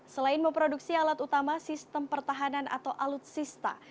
selain memproduksi alat utama sistem pertahanan atau alutsista